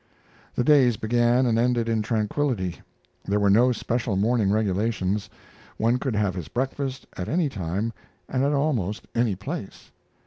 The days began and ended in tranquillity. There were no special morning regulations: One could have his breakfast at any time and at almost any place.